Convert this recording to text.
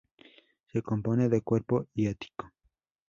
Se compone de cuerpo y ático.